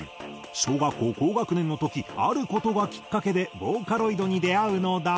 小学校高学年の時ある事がきっかけでボーカロイドに出会うのだが。